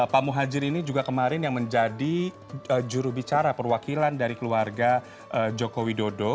pak muhajir ini juga kemarin yang menjadi jurubicara perwakilan dari keluarga joko widodo